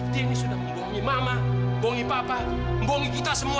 dia sudah membohongi mama papa dan kita semua